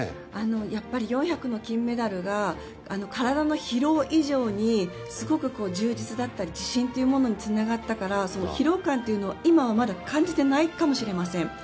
やっぱり４００の金メダルが体の疲労以上にすごく充実だったり自信につながったからその疲労感は、今はまだ感じていないかもしれません。